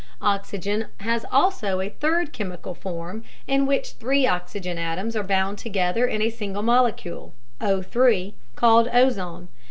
Oxygen has also a third chemical form in which three oxygen atoms are bound together in a single molecule (03), called ozone.